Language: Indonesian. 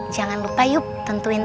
jangan lupa yuk tentuin kanku soya